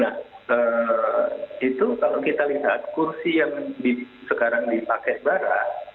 nah itu kalau kita lihat kursi yang sekarang dipakai barat